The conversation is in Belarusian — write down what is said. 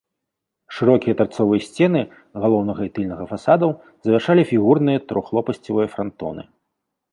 Шырокія тарцовыя сцены галоўнага і тыльнага фасадаў завяршалі фігурныя трохлопасцевыя франтоны.